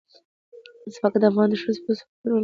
ځمکه د افغان ښځو په ژوند کې رول لري.